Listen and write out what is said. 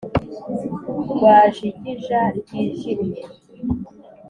ryajigija ryijimye